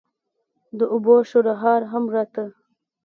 د اوبو شرهار هم راته.